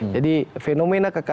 jadi fenomena kekejangan